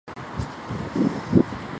这些平民也遭受长期拘留。